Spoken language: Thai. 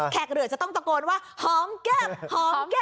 เหลือจะต้องตะโกนว่าหอมแก้มหอมแก้ม